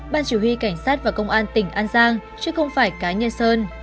ban chủ huy cảnh sát và công an tỉnh an sang chứ không phải cá nhân sơn